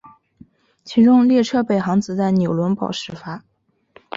其中列车北行则在纽伦堡始发。